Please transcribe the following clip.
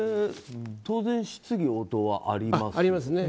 当然、質疑応答はあります？